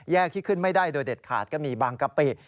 แยกที่ขึ้นไม่ได้โดยเด็ดขาดก็มีบางกระเปรียด